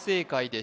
で